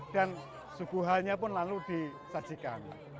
dan suguhannya pun lalu disajikan